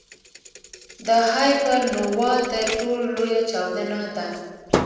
د هایپرنووا تر ټولو لویه چاودنه ده.